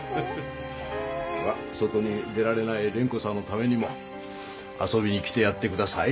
まあ外に出られない蓮子さんのためにも遊びに来てやって下さい。